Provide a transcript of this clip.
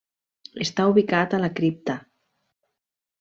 Està ubicat a la Cripta.